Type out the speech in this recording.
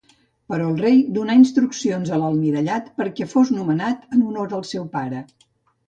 Però el rei donà instruccions a l'almirallat perquè fos nomenat en honor al seu pare.